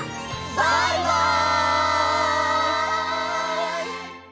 バイバイ！